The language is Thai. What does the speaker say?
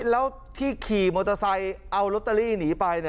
แล้วที่ขี่มอเตอร์ไซค์เอาลอตเตอรี่หนีไป